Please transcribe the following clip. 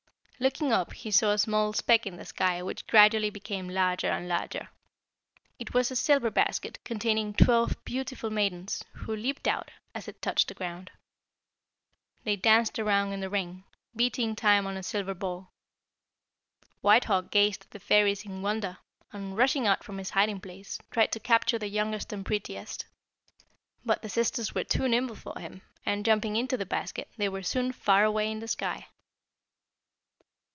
"Looking up he saw a small speck in the sky which gradually became larger and larger. It was a silver basket containing twelve beautiful maidens, who leaped out as it touched the ground. They danced around in the ring, beating time on a silver ball. White Hawk gazed at the fairies in wonder, and, rushing out from his hiding place, tried to capture the youngest and prettiest. But the sisters were too nimble for him, and, jumping into the basket, they were soon far away in the sky.